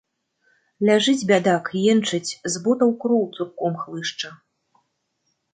Ляжыць, бядак, енчыць, з ботаў кроў цурком хлышча.